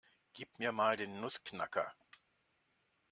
Gib mir mal den Nussknacker.